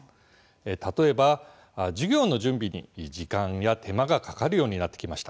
例えば授業の準備に時間や手間がかかるようになってきました。